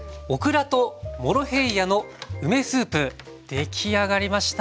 出来上がりました。